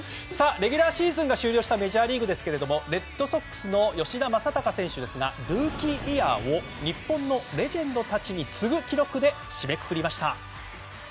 レギュラーシーズンが終了したメジャーリーグですけれどもレッドソックスの吉田正尚選手ですがルーキーイヤーを日本のレジェンドたちに次ぐ記録で締めくくりました。